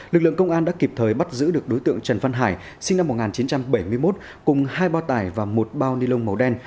lực lượng công an đã kịp thời bắt giữ được đối tượng trần văn hải sinh năm một nghìn chín trăm bảy mươi một cùng hai bao tải và một bao ni lông màu đen